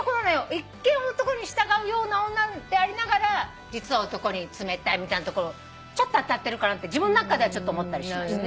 「一見男に従うような女でありながら実は男に冷たい」みたいなところちょっと当たってるかなって自分の中ではちょっと思ったりしました。